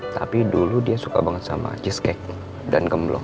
tapi dulu dia suka banget sama cheesecake dan kemblong